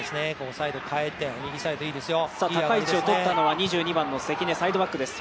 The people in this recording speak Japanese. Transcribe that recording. サイドに変えて、右サイドいいですよ。